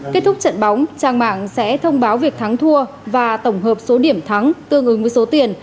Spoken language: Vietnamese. kết thúc trận bóng trang mạng sẽ thông báo việc thắng thua và tổng hợp số điểm thắng tương ứng với số tiền